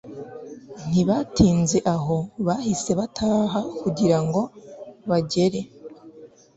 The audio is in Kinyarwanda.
ntibatinze aho bahise bataha kugira ngo bagere